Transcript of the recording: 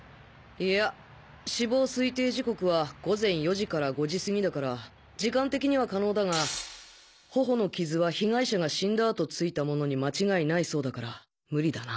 いや死亡推定時刻は午前４時から５時過ぎだから時間的には可能だが頬の傷は被害者が死んだ後付いたものに間違いないそうだから無理だな。